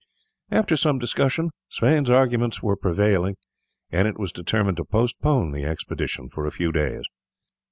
After some discussion Sweyn's arguments prevailed, and it was determined to postpone the expedition for a few days.